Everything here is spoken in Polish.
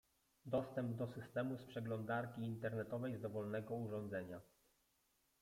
Dostęp do systemu z przeglądarki internetowej z dowolnego urządzenia.